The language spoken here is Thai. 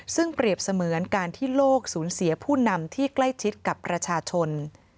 ซึ่งเปรียบเสมือนการที่โลกสูญเสียผู้นำที่ใกล้ชิดกับประชาชน